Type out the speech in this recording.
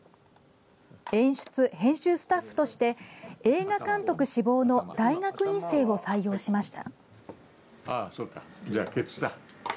演出・編集スタッフとして映画監督志望の大学院生を採用しました。